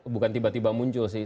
bukan tiba tiba muncul sih